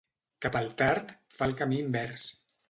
Cap al tard, fa el camí invers.